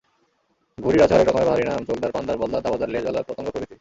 ঘুড়ির আছে হরেক রকমের বাহারি নাম—চোখদার, পানদার, বলদার, দাবাদার, লেজওয়ালা, পতঙ্গ প্রভৃতি।